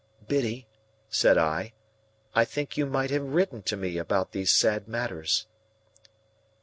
"Biddy," said I, "I think you might have written to me about these sad matters."